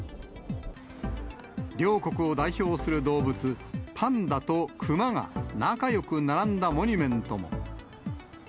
両国を代表する動物、パンダと熊が仲よく並んだモニュメントも。